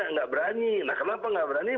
nggak berani nah kenapa nggak berani